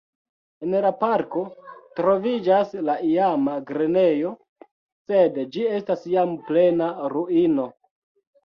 En la parko troviĝas la iama grenejo, sed ĝi estas jam plena ruino.